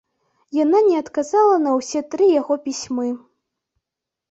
Яна не адказала на ўсе тры яго пісьмы.